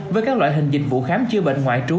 với các loại hình dịch vụ khám chữa bệnh ngoại trú